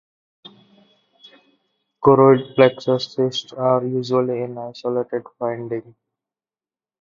Choroid plexus cysts are usually an isolated finding.